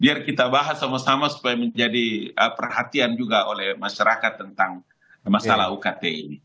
biar kita bahas sama sama supaya menjadi perhatian juga oleh masyarakat tentang masalah ukt ini